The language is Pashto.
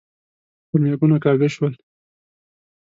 ورمېږونه کاږه شول.